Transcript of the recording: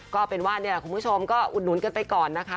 ก็เป็นว่าเนี่ยคุณผู้ชมก็อุดหนุนกันไปก่อนนะคะ